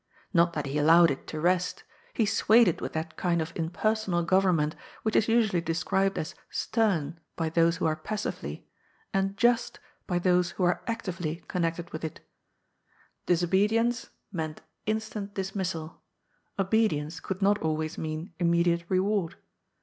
Not that he allowed it to rest ; he swayed it with that kind of impersonal government which is usually described as " stem " by those who are passively, and " just " by those who are actively connected with it Disobedience meant instant dismissal ; obedience could not always mean imme diate reward.